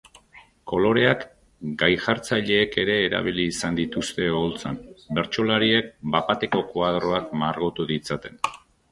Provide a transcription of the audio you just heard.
Koloreak gai-jartzaileek ere erabili izan dituzte oholtzan, bertsolariek bapateko koadroak margotu ditzaten.